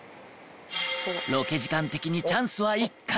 ロケ時間的にチャンスは１回。